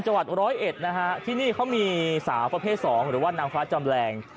จังหวัดร้อยเอ็ดนะฮะที่นี่เขามีสาวประเภทสองหรือว่านางฟ้าจำแรง